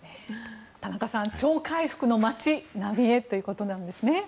田中さん、超回復の町浪江ということですね。